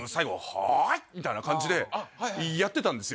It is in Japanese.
みたいな感じでやってたんですよ